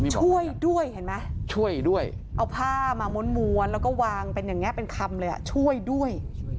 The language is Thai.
ช่วยด้วยเห็นไหมช่วยด้วยเอาผ้ามาม้วนแล้วก็วางเป็นอย่างนี้เป็นคำเลยช่วยด้วย